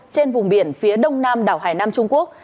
trên vùng biển phía đông nam đảo hải nam trung quốc